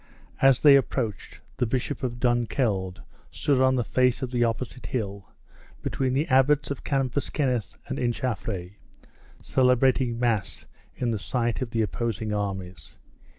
As they approached, the bishop of Dunkeld stood on the face of the opposite hill between the abbots of Cambus Keneth and Inchaffray, celebrating mass in the sight of the opposing armies.